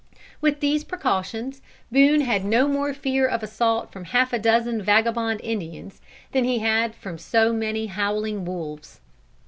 With these precautions, Boone had no more fear of assault from half a dozen vagabond Indians, than he had from so many howling wolves.